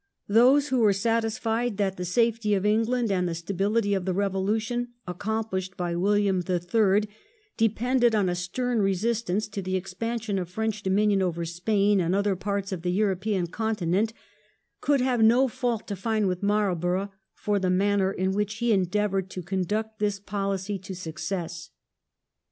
Those who were satisfied that the safety of England and the stability of the revolution accomplished by William the Third depended on a stern resistance to the expansion of French dominion over Spain and other parts of the European Continent, could have no fault to find with Marlborough for the manner in which he endeavoured to conduct this policy to success.